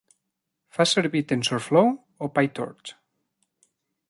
Fas servir Tensorflow o Pytorch?